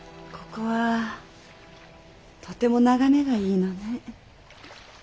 ここはとても眺めがいいのね。